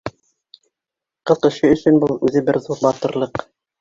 Ҡыҙ кеше өсөн был үҙе бер ҙур батырлыҡ.